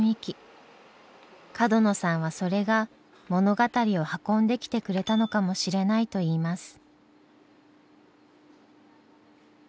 角野さんはそれが物語を運んできてくれたのかもしれないといいます。